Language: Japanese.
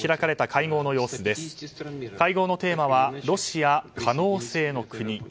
会合のテーマはロシア・可能性の国。